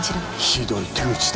ひどい手口だ。